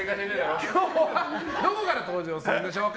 今日はどこから登場するんでしょうか。